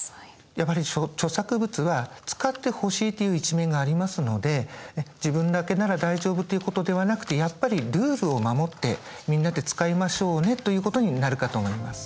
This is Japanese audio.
やっぱり著作物は使ってほしいという一面がありますので自分だけなら大丈夫ということではなくてやっぱりルールを守ってみんなで使いましょうねということになるかと思います。